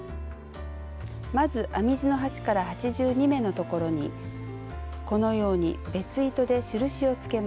まず編み地の端から８２目のところにこのように別糸で印をつけます。